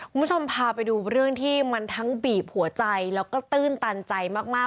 คุณผู้ชมพาไปดูเรื่องที่มันทั้งบีบหัวใจแล้วก็ตื้นตันใจมาก